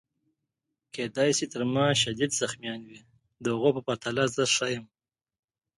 کیدای شي تر ما شدید زخمیان وي، د هغو په پرتله زه ښه یم.